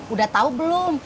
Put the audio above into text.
udah tau belum